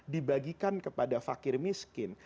dibagikan kepada fakir miskin